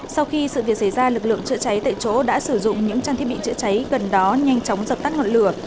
sau khi sự việc xảy ra lực lượng chữa cháy tại chỗ đã sử dụng những trang thiết bị chữa cháy gần đó nhanh chóng dập tắt ngọn lửa